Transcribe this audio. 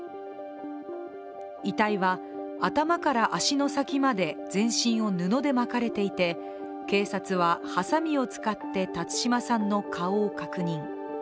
遺体は頭から足の先まで全身を布で巻かれていて警察は、はさみを使って辰島さんの顔を確認。